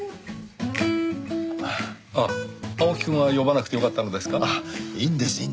あっ青木くんは呼ばなくてよかったのですか？